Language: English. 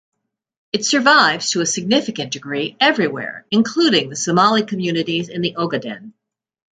It survives to a significant degree everywhere, including the Somali communities in the Ogaden.